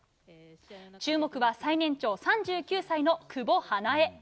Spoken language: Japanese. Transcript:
注目は最年長３９歳、久保英恵。